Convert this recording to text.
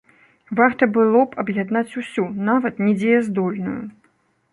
Варта было б аб'яднаць усю, нават недзеяздольную.